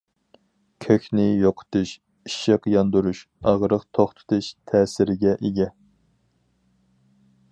كۆكنى يوقىتىش، ئىششىق ياندۇرۇش، ئاغرىق توختىتىش تەسىرىگە ئىگە.